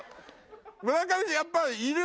村上さんやっぱいる！